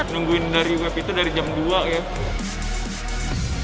nungguin dari web itu dari jam dua ya